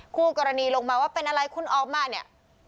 คู่กรณีลงมาว่าเป็นอะไรคุณออกมาเนี่ย